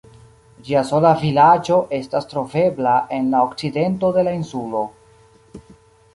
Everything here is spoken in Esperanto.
Ĝia sola vilaĝo estas trovebla en la okcidento de la insulo.